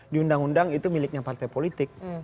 di undang undang itu miliknya partai politik